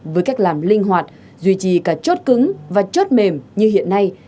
với cách làm linh hoạt duy trì cả chốt cứng và chốt mềm như hiện nay